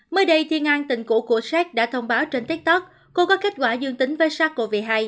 mới đây thiên an tình cũ của xét đã thông báo trên tiktok cô có kết quả dương tính với sars cov hai